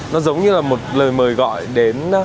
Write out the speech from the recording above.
nó giống như là một lời mời gọi đến